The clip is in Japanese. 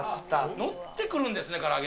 載ってくるんですね、から揚げ。